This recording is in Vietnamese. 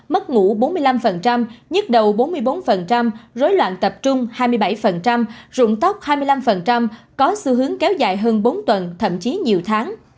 mất ngủ bốn mươi năm nhức đầu bốn mươi bốn rối loạn tập trung hai mươi bảy rụng tóc hai mươi năm có xu hướng kéo dài hơn bốn tuần thậm chí nhiều tháng